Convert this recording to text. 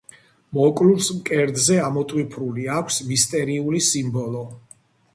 მოკლულს მკერდზე ამოტვიფრული აქვს მისტერიული სიმბოლო.